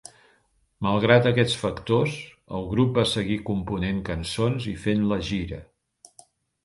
Malgrat aquests factors, el grup va seguir component cançons i fent la gira.